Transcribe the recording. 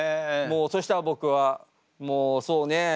そうしたら僕はもうそうね。